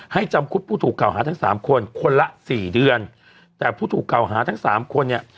จำคุกผู้ถูกเก่าหาทั้งสามคนคนละสี่เดือนแต่ผู้ถูกเก่าหาทั้งสามคนเนี่ย